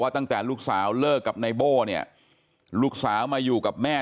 ตั้งแต่ลูกสาวเลิกกับนายโบ้เนี่ยลูกสาวมาอยู่กับแม่